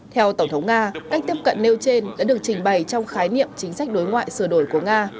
theo tổng thống nga cách tiếp cận nêu trên đã được trình bày trong khái niệm chính sách đối ngoại sửa đổi của nga